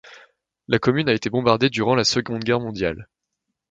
La commune a été bombardée durant la Seconde Guerre mondiale.